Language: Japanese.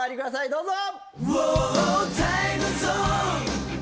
どうぞ！